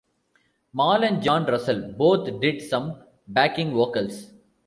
Mal and John Russell both did some backing vocals.